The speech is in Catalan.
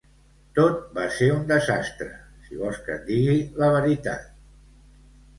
Tot va ser un desastre, si vols que et digui la veritat.